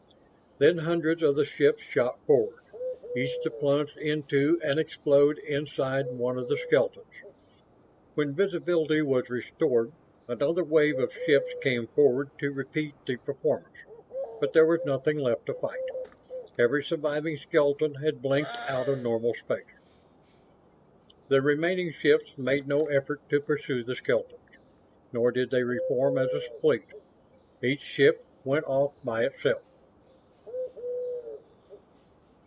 Then hundreds of the ships shot forward, each to plunge into and explode inside one of the skeletons. When visibility was restored another wave of ships came forward to repeat the performance, but there was nothing left to fight. Every surviving skeleton had blinked out of normal space. The remaining ships made no effort to pursue the skeletons, nor did they re form as a fleet. Each ship went off by itself.